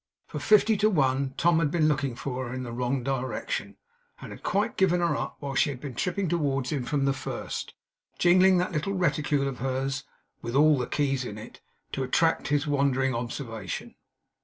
For, fifty to one, Tom had been looking for her in the wrong direction, and had quite given her up, while she had been tripping towards him from the first; jingling that little reticule of hers (with all the keys in it) to attract his wandering observation.